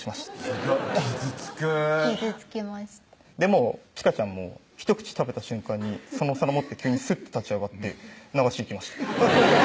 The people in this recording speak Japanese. ひどい傷つく傷つきましたでもちかちゃんも１口食べた瞬間にそのお皿持って急にすっと立ち上がって流し行きました